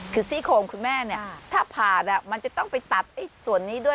คือซี่โคงคุณแม่เนี่ยถ้าผ่านมันจะต้องไปตัดส่วนนี้ด้วย